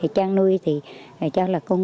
trang nuôi thì cho là con gà